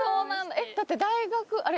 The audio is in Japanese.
えっだって大学あれ？